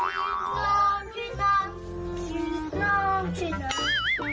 ก็ต้องเป็นวันใดด้วย